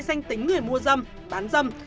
danh tính người mua dâm bán dâm